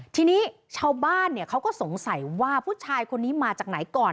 ทีนี้ชาวบ้านเขาก็สงสัยว่าผู้ชายคนนี้มาจากไหนก่อน